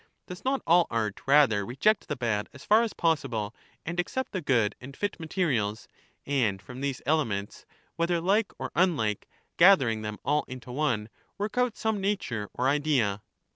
does not all art rather reject the bad as far as possible, and accept the good and fit materials, and from these elements, whether like or unlike, gathering them all into one, work out some nature or idea